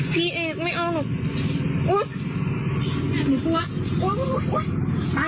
พี่เอกไม่เอาหนู